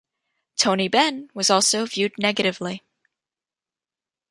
Tony Benn was also viewed negatively.